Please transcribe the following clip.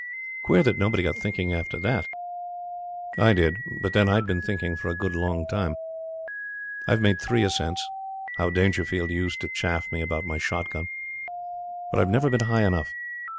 Queer that nobody got thinking after that! I did but, then, I had been thinking for a good long time. I've made three ascents how Dangerfield used to chaff me about my shot gun but I've never been high enough.